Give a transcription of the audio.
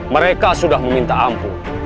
mereka sudah meminta ampun